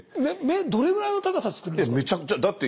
どれぐらいの高さ作るつもり？